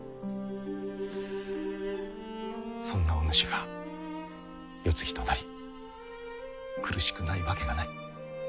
そんなお主が世継ぎとなり苦しくないわけがない。